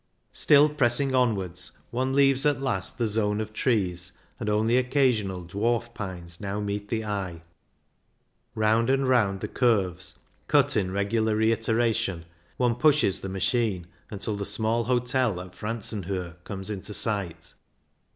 Still pressing onwards, one leaves at last the zone of trees, and only occasional dwarf pines now meet the eye. Round and round the curves, cut in regular reiteration, one pushes the machine, until the small hotel at Franzenhohe comes in sight.